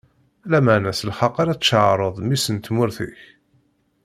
Lameɛna s lḥeqq ara tcaṛɛeḍ mmi-s n tmurt-ik.